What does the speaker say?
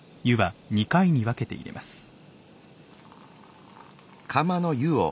湯は２回に分けて入れます。